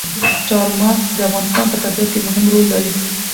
چار مغز د افغانستان په طبیعت کې مهم رول لري.